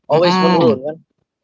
always menurun kan